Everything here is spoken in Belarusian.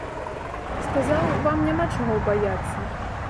Сказаў, вам няма чаго баяцца.